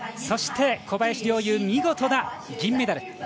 そして、小林陵侑が見事な銀メダル。